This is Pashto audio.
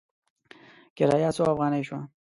کرایه څو افغانې شوه؟